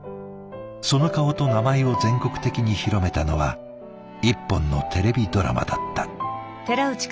その顔と名前を全国的に広めたのは１本のテレビドラマだった。